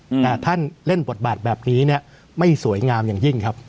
แต่ท่านเล่นบทบาทแบบนี้เนี้ยไม่สวยงามอย่างยิ่งครับ